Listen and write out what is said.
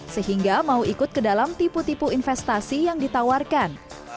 sehingga mau ikut ke dalam tipu tipu investasi yang ditawarkan